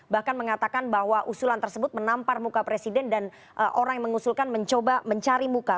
bahkan mengatakan bahwa usulan tersebut menampar muka presiden dan orang yang mengusulkan mencoba mencari muka